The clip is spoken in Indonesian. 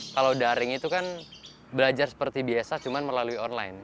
kalau daring itu kan belajar seperti biasa cuma melalui online